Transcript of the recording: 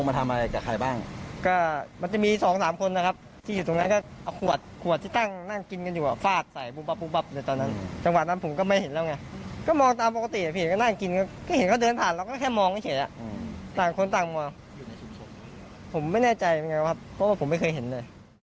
ผมไม่แน่ใจเหมือนกันครับเพราะว่าผมไม่เคยเห็นเลย